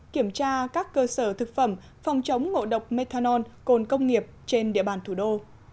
kiểm tra các cơ sở thực phẩm phòng chống ngộ độc methanol cồn công nghiệp trên địa bàn thủ đô